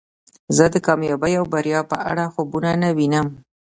زه د کامیابی او بریا په اړه خوبونه نه وینم